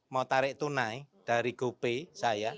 mau tarik tunai dari gopay saya